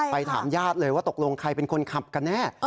ถามญาติเลยว่าตกลงใครเป็นคนขับกันแน่